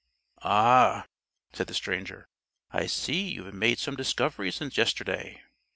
"Ah!" said the stranger, "I see you have made some discoveries since yesterday.